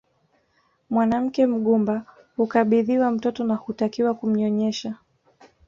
Mwanamke mgumba hukabidhiwa mtoto na hutakiwa kumnyonyesha